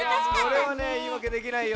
これはねいいわけできないよ。